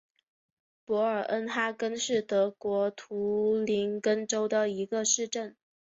博尔恩哈根是德国图林根州的一个市镇。